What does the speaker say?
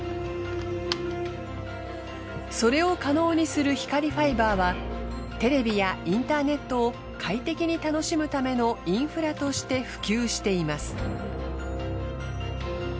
それを可能にする光ファイバーはテレビやインターネットを快適に楽しむためのインフラとして普及しています。